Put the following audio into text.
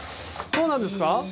そうなんですか？